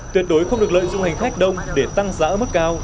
tuyệt đối không được lợi dung hành khách đông để tăng giá ở mức cao